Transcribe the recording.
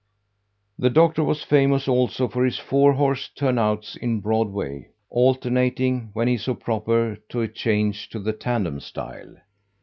The Doctor was famous, also, for his four horse turnouts in Broadway, alternating, when he saw proper, to a change to the "tandem" style.